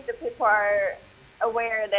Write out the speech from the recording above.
dengan lubang cahaya utama